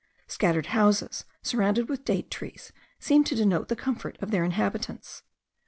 Scattered houses surrounded with date trees seem to denote the comfort of their inhabitants.